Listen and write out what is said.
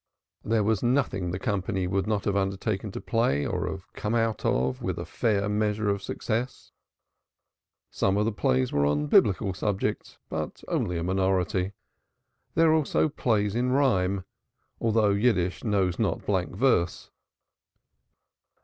There was nothing the company would not have undertaken to play or have come out of with a fair measure of success. Some of the plays were on Biblical subjects, but only a minority. There were also plays in rhyme, though Yiddish knows not blank verse.